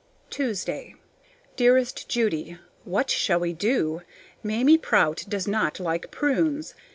Tuesday. Dearest Judy: What shall we do? Mamie Prout does not like prunes.